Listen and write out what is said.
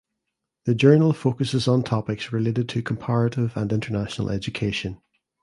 The journal focuses on topics related to comparative and international education.